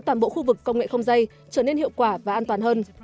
điều này sẽ giúp khu vực công nghệ không dây trở nên hiệu quả và an toàn hơn